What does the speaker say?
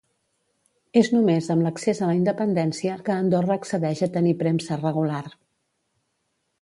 És només amb l'accés a la independència que Andorra accedeix a tenir premsa regular.